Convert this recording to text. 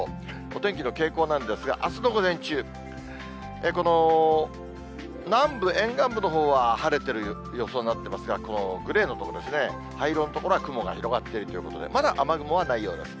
お天気の傾向なんですが、あすの午前中、この南部沿岸部のほうは晴れてる予想になってますが、グレーの所ですね、灰色の所は雲が広がっているということで、まだ雨雲はないようです。